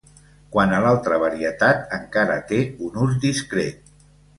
Quant a l'altra varietat, encara té un ús discret.